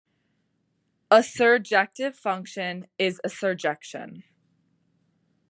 A surjective function is a surjection.